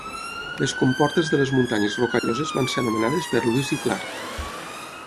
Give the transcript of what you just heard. Les comportes de les muntanyes Rocalloses van ser anomenades per Lewis i Clark.